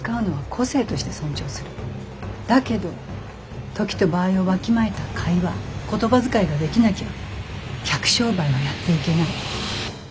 だけど時と場合をわきまえた会話言葉遣いができなきゃ客商売はやっていけない。